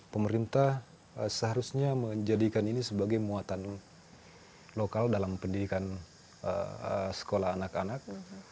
pemerintah seharusnya menjadikan ini sebagai muatan lokal dalam pendidikan sekolah anak anak